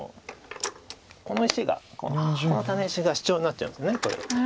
この石がこのタネ石がシチョウになっちゃうんですこれだと。